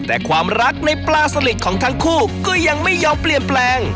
แต่ความรักในปลาสลิดของทั้งคู่ก็ยังไม่ยอมเปลี่ยนแปลง